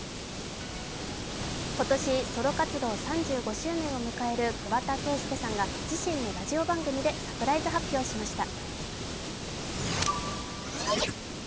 今年、ソロ活動３５周年を迎える桑田佳祐さんが自身のラジオ番組でサプライズ発表しました。